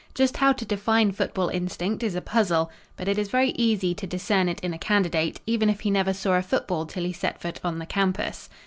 Just how to define football instinct is a puzzle, but it is very easy to discern it in a candidate, even if he never saw a football till he set foot on the campus.